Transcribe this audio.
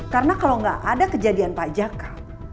karena kalau gak ada kejadian pak jaka